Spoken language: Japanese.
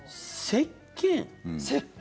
せっけん？